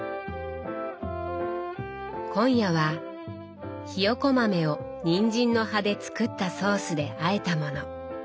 今夜はひよこ豆をにんじんの葉で作ったソースであえたもの。